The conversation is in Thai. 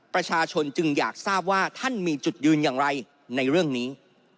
ประชาชนจึงอยากทราบว่าท่านมีจุดยืนอย่างไรในเรื่องนี้